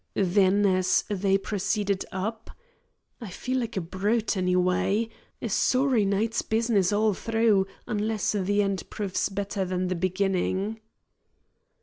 Then, as they proceeded up, "I feel like a brute, anyway. A sorry night's business all through, unless the end proves better than the beginning."